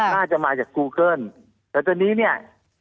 น่าจะมาจากกูเกิ้ลแต่ตอนนี้เนี่ย